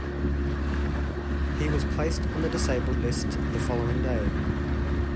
He was placed on the disabled list the following day.